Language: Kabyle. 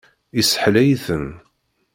Isseḥlay-iten.